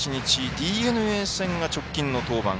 ＤｅＮＡ戦が直近の登板